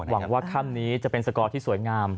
หวังว่าค่ำนี้จะเป็นสกอร์ที่สวยงาม